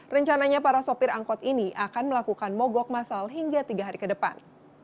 rencananya para sopir angkot ini akan melakukan mogok masal hingga tiga hari ke depan